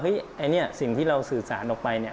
เฮ่ยอันนี้สิ่งที่เราสื่อสารออกไป